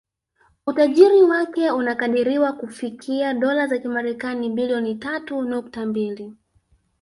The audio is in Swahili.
Utajiri wake unakadiriwa kufikia Dola za kimarekani bilioni tatu nukta mbili